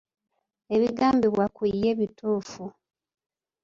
Ebigambibwa ku ye bituufu.